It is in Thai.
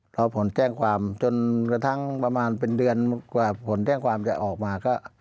พอผลแจ้งความจนกระทั่งประมาณเป็นเดือนกว่าผลแจ้งความจะออกมาก็